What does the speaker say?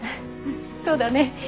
そうだね。